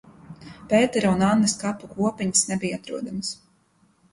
Pētera un Annas kapu kopiņas nebija atrodamas.